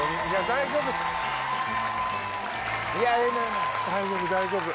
大丈夫大丈夫！